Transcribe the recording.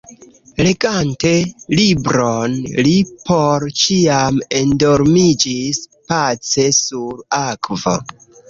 Legante libron li por ĉiam endormiĝis – pace sur akvo.